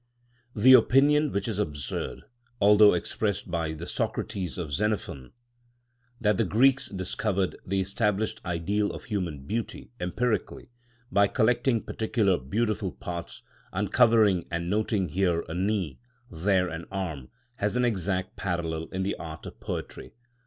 (54) The opinion, which is absurd, although expressed by the Socrates of Xenophon (Stobæi Floril, vol. ii. p. 384) that the Greeks discovered the established ideal of human beauty empirically, by collecting particular beautiful parts, uncovering and noting here a knee, there an arm, has an exact parallel in the art of poetry.